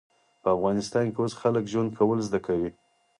په افغانستان کې اوس خلک ژوند کول زده کوي